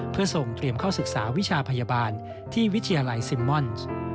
เพื่อส่งเตรียมเข้าศึกษาวิชาพยาบาลที่วิทยาลัยซิมม่อน